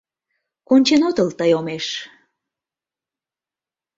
Кончен отыл тый омеш.